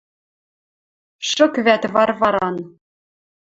Шык вӓтӹ Варваран